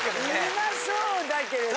うまそうだけれども。